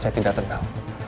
saya tidak tenang